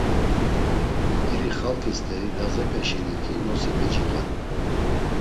İri xalǩi st̆eri Lazepe şeniti nosi becit̆on!